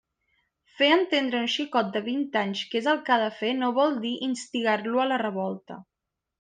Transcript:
Fer entendre a un xicot de vint anys què és el que ha de fer no vol dir instigar-lo a la revolta!